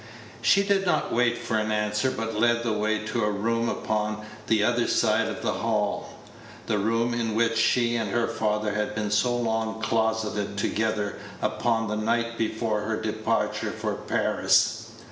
She did not wait for an answer, but led the way to a room upon the other side of the hall the room in which she and her father had been so long closeted together upon the night before her departure for Paris.